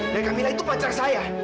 dan kamilah itu pacar saya